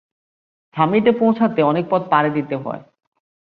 সামিটে পৌঁছাতে অনেক পথ পাড়ি দিতে হয়।